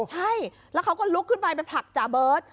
ใช่แล้วเขาก็ลุกขึ้นไปไปผลักจ่าเบิร์ต